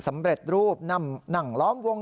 สำเร็จรูปนั่งล้อมวง